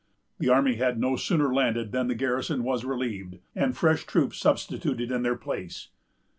The army had no sooner landed than the garrison was relieved, and fresh troops substituted in their place.